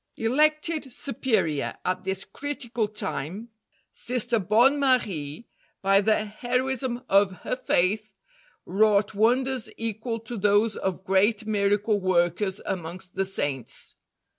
Elected Superior at this critical time, Sister Bonne Marie, by the heroism of her faith, wrought wonders equal to those of great miracle workers amongst the Saints.